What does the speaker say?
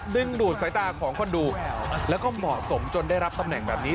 ดึงดูดสายตาของคนดูแล้วก็เหมาะสมจนได้รับตำแหน่งแบบนี้